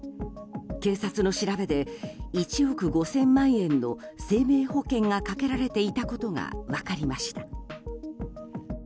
警察の調べで１億５０００万円の生命保険がかけられていたことが分かりました。